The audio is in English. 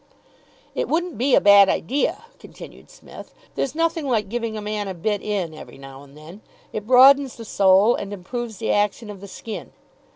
"It wouldn't be a bad idea," continued Psmith. "There's nothing like giving a man a bit in every now and then. It broadens the soul and improves the action of the skin.